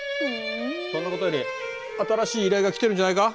そんなことより新しい依頼が来てるんじゃないか？